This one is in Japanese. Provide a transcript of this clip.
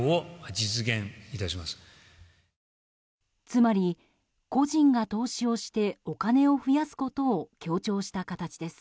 つまり、個人が投資をしてお金を増やすことを強調した形です。